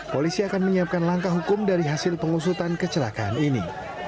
polisi akan menyiapkan langkah hukum dari hasil pengusutan kecelakaan ini